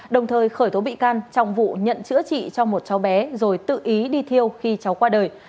đồng thời khởi tố bị can trong vụ nhận chữa trị cho một cháu bé rồi tự ý đi thiêu khi cháu qua đời